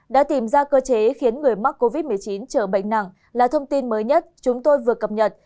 đã tìm ra cơ chế khiến người mắc covid một mươi chín trở bệnh nặng là thông tin mới nhất chúng tôi vừa cập nhật